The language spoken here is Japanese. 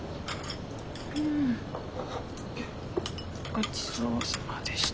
ごちそうさまでした。